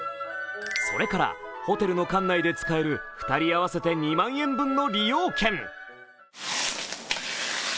それから、ホテルの館内で使える２人合わせて２万円の利用券。